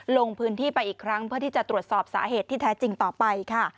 ลงพื้นที่ไปอีกครั้งเพื่อที่จะตรวจสอบสาเหตุที่แท้จริงต่อไปค่ะ